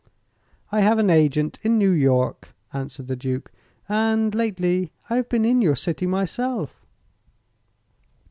"I have an agent in New York," answered the Duke, "and lately I have been in your city myself."